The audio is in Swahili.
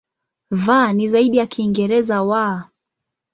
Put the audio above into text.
V ni zaidi ya Kiingereza "w".